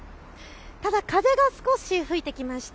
ただ風が少し吹いてきました。